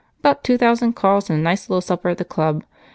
About two thousand calls, and a nice little supper at the Club.